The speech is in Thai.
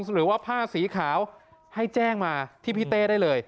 หรือว่าผ้าสีขาวให้แจ้งมาที่พี่เต้ได้เลย